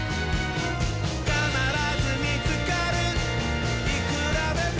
「かならずみつかるいくらでも」